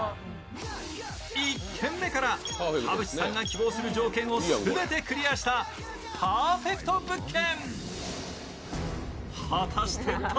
１軒目から、田渕さんが希望する条件を全てクリアしたパーフェクト物件。